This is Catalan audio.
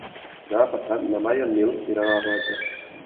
Demà passat na Mar i en Nil iran a la platja.